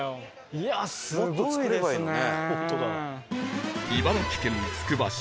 いやすごいですね。